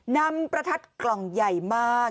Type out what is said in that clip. ประทัดกล่องใหญ่มาก